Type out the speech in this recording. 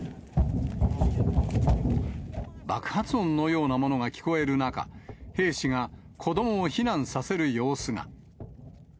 爆発音のようなものが聞こえる中、兵士が子どもを避難させる様子が。